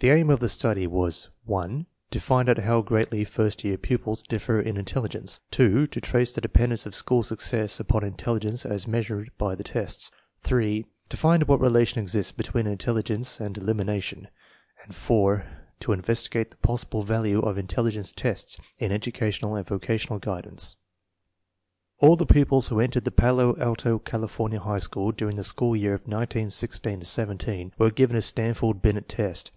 The aim of the study was (1) to find how greatly first year pupils differ in intelligence; () to trace the dependence of school success upon intelligence as measured by the tests; (3) to find what relation exists between intelligence and elimination; and (4) to investigate the possible value of intelligence tests in educational and vocational guidance. All the pupils who entered the Palo Alto, California, High School during the school year 1916 17 were given a Stanford Binet test.